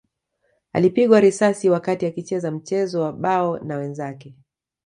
Alipigwa risasi wakati akicheza mchezo wa bao na wenzake